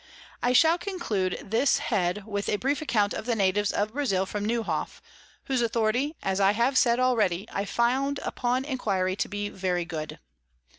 I shall conclude this Head with a brief Account of the Natives of Brazile from Newhoff, whose Authority, as I have said already, I found upon Inquiry to be very good.